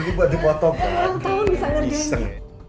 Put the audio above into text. dia buat dipotong